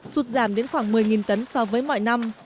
sụt giảm đến khoảng một mươi tấn so với mọi năm